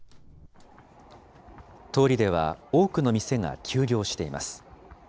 通りでは多くの店が休業しています。